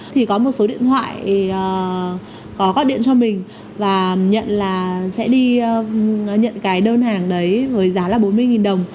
thì có một số điện thoại có gọi điện cho mình và nhận là sẽ đi nhận cái đơn hàng đấy với giá là bốn mươi đồng